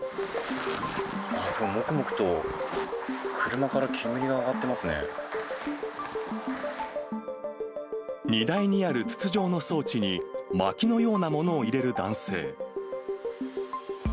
もくもくと車から煙が上がっ荷台にある筒状の装置に、まきのようなものを入れる男性。